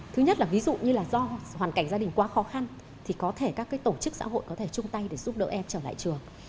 thứ nhất là ví dụ như là do hoàn cảnh gia đình quá khó khăn thì có thể các tổ chức xã hội có thể chung tay để giúp đỡ em trở lại trường